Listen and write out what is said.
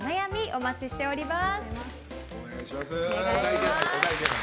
お待ちしております。